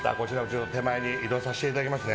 手前に移動させていただきます。